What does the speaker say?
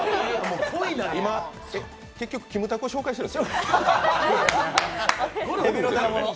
今、結局、キムタクを紹介してるの？